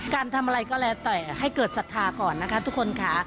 การทำอะไรก็แล้วแต่ให้เกิดศรัทธาก่อนนะคะทุกคนค่ะ